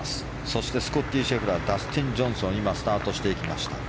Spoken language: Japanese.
そしてスコッティ・シェフラーダスティン・ジョンソンが今、スタートしていきました。